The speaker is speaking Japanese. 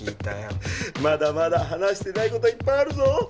まだまだ話してない事はいっぱいあるぞ！